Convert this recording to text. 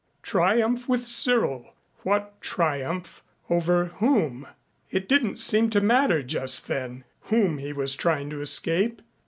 Triumph with Cyril! What triumph over whom? It didn't seem to matter just then whom he was trying to escape.